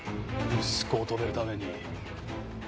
息子を止めるために。